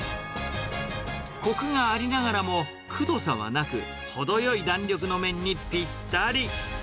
こくがありながらも、くどさはなく、程よい弾力の麺にぴったり。